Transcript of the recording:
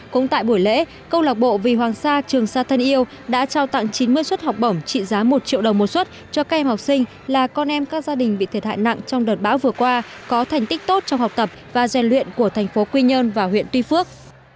quỹ học bổng vừa a dính đã mang đến hàng chục nghìn suất học bổng cho các em học sinh sinh viên dân tộc thiểu số có hoàn cảnh khó khăn vươn lên học tập dè luyện tốt trong cả nước